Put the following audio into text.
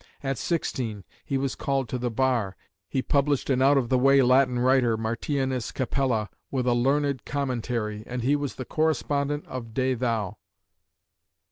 at sixteen he was called to the bar, he published an out of the way Latin writer, Martianus Capella, with a learned commentary, and he was the correspondent of De Thou.